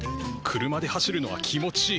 車で走るのは気持ちいい。